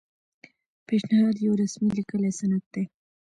پیشنهاد یو رسمي لیکلی سند دی.